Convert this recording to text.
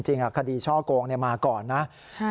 จริงอ่ะคดีช่องโกงเนี้ยมาก่อนนะใช่